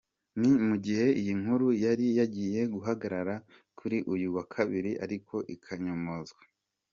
Ni mu gihe iyi nkuru yari yagiye ahagaragara kuri uyu wa Kabiri ariko ikanyomozwa.